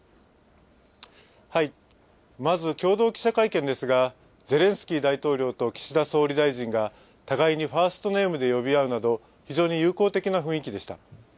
まず共同記者会見ですが、ゼレンスキー大統領と岸田総理大臣が互いにファーストネームで呼び合うなど、非常に友好的な雰囲気でした。